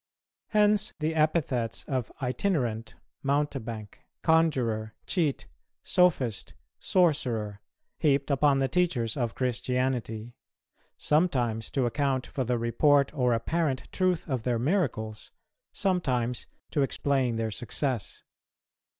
Hence the epithets of itinerant, mountebank, conjurer, cheat, sophist, sorcerer, heaped upon the teachers of Christianity; sometimes to account for the report or apparent truth of their miracles, sometimes to explain their success.